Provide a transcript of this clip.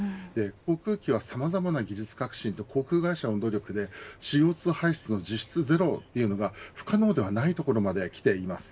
航空機は、さまざまな技術革新と航空会社の努力でＣＯ２排出の実質ゼロというのが不可能ではないところまできています。